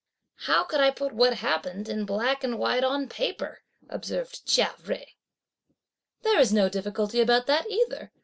"How could I put what happened in black and white on paper?" observed Chia Jui. "There's no difficulty about that either!"